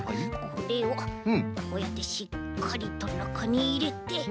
これをこうやってしっかりとなかにいれて。